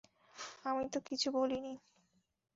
আমি তো কিছু বলিনি।